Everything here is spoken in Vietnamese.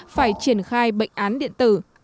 phải triển khai bệnh án điện tử